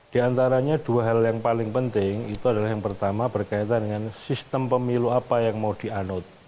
di antaranya dua hal yang paling penting itu adalah yang pertama berkaitan dengan sistem pemilu apa yang mau dianut